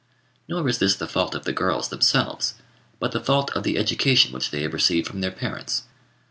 Nor is this the fault of the girls themselves, but the fault of the education which they have received from their parents.